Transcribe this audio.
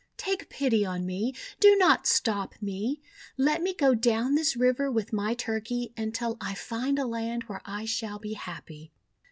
Take pity on me! Do not stop me! Let me go down this river with my Turkey, until I find a land where I shall be happy."